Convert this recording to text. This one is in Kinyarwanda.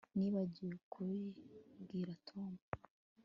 Nibagiwe kubibwira Tom